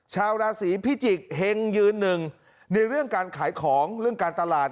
ชาวราศีพิจิกษ์เฮงยืนหนึ่งในเรื่องการขายของเรื่องการตลาด